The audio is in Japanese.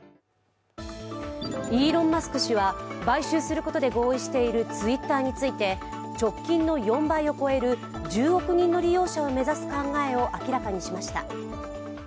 イーロン・マスク氏は買収することで合意しているツイッターについて直近の４倍を超える１０億人の利用者を目指す考えを明らかにしました。